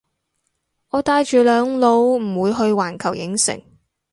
我帶住兩老唔會去環球影城